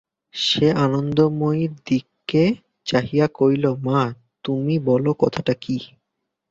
সে আনন্দময়ীর দিকে চাহিয়া কহিল, মা, তুমি বলো কথাটা কী।